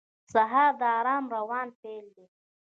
سهار د آرام روان پیل دی.